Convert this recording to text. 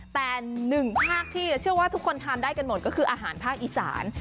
แต่หนึ่งภาคที่จะเชื่อว่าทุกคนทานได้กันหมดก็คืออาหารภาคอีสาน